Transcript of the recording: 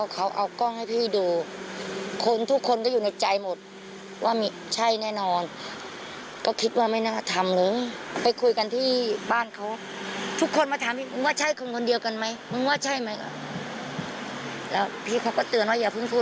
ถ้าลูกเขาไม่ได้เป็นจริงเราจะเด็กร้อนอะไรอย่างนี้